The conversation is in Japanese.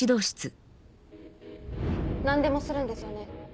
何でもするんですよね？